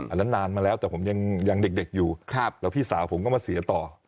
อันนั้นนานมาแล้วแต่ผมยังเด็กอยู่แล้วพี่สาวผมก็มาเสียต่อ